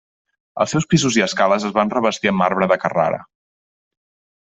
Els seus pisos i escales es van revestir amb marbre de Carrara.